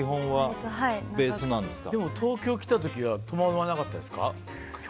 東京来た時は戸惑わなかったですか？